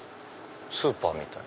スーパーみたい。